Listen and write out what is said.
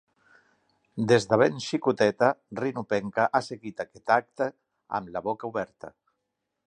Des de ben xicoteta, Rinopenca ha seguit aquest acte amb la boca oberta.